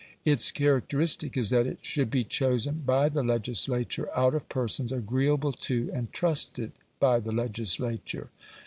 Its characteristic is that it should be chosen by the legislature out of persons agreeable to and trusted by the legislature.